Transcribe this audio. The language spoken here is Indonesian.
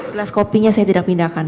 gelas kopinya saya tidak pindahkan